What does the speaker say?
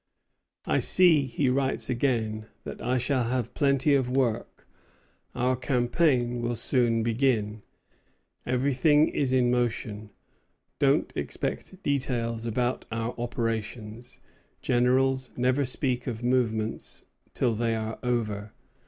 "I see," he writes again, "that I shall have plenty of work. Our campaign will soon begin. Everything is in motion. Don't expect details about our operations; generals never speak of movements till they are over.